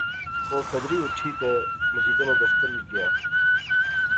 او پھیدری اُٹھی تے مجیدے نے دفترے وچ گیا